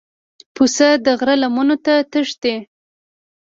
پسه د غره لمنو ته تښتي.